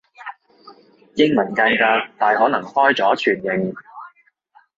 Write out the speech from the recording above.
英文間隔大可能開咗全形